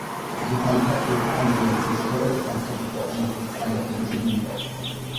Globalizacja i handel międzynarodowy są co do zasady zjawiskami pozytywnymi